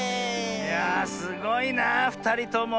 いやあすごいなふたりとも。